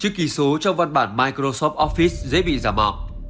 chữ ký số trong văn bản microsoft office dễ bị giảm bỏ